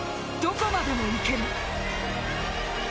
どこまでも行ける。